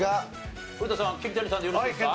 古田さん桐谷さんでよろしいですか？